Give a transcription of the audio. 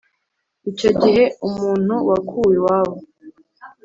Icyo gihe umuntu wakuwe iwabo